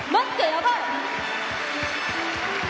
やばい！